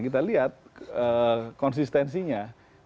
kita lihat konsistensinya